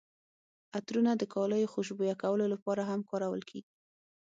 عطرونه د کالیو خوشبویه کولو لپاره هم کارول کیږي.